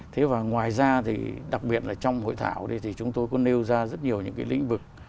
thế và ngoài ra thì đặc biệt là trong hội thảo này thì chúng tôi có nêu ra rất nhiều những cái lĩnh vực